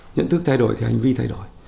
nhận thức thay đổi thì hành vi thay đổi